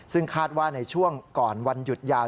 ซึ่งคาดว่าในช่วงก่อนวันหยุดยาว